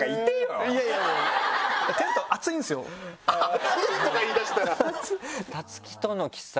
暑いとか言いだしたら。